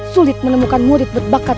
sulit menemukan murid berbakat